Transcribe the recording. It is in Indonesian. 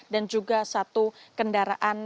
dan juga satu kendaraan